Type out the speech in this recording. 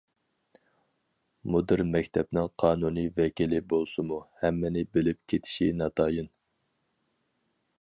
مۇدىر مەكتەپنىڭ قانۇنىي ۋەكىلى بولسىمۇ، ھەممىنى بىلىپ كېتىشى ناتايىن.